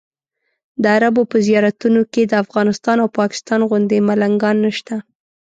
د عربو په زیارتونو کې د افغانستان او پاکستان غوندې ملنګان نشته.